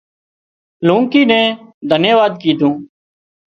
لونڪي نين ڌنيواد ڪيڌون